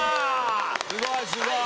すごいすごい！